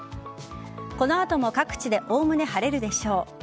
この後も各地でおおむね晴れるでしょう。